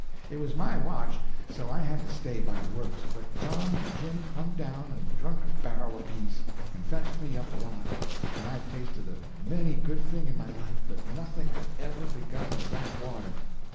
It was my watch, so I had to stay by the works, but Tom and Jim clumb down and drunk a barrel apiece, and fetched me up a lot, and I've tasted a many a good thing in my life, but nothing that ever begun with that water.